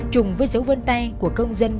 chùng với dấu vân tay của công dân